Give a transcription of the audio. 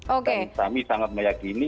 oke dan kami sangat meyakini